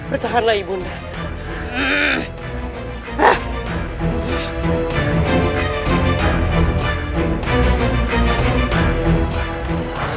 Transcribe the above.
bertahanlah ibu undah